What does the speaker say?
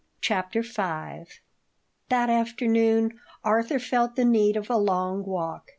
CHAPTER V. THAT afternoon Arthur felt the need of a long walk.